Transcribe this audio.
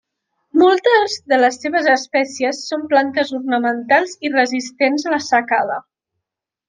Moltes de les seves espècies són plantes ornamentals i resistents a la secada.